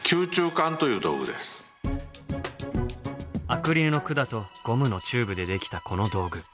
アクリルの管とゴムのチューブでできたこの道具。